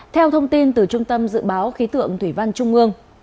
theo thông tin từ trung tâm dự báo khí tượng thủy văn trung ương